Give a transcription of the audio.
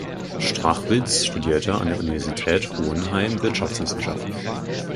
Strachwitz studierte an der Universität Hohenheim Wirtschaftswissenschaften.